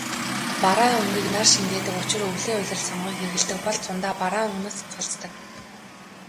Бараан өнгийг нар шингээдэг учир өвлийн улиралд сонгон хэрэглэдэг бол зундаа бараан өнгөнөөс татгалздаг.